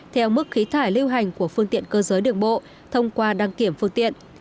theo mức khí thải lưu hành của phương tiện cơ giới đường bộ thông qua đăng kiểm phương tiện